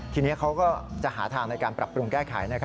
ทีนี้เขาก็จะหาทางในการปรับปรุงแก้ไข